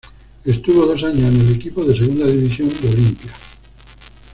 Estuvo dos años en el equipo de segunda división de Olimpia.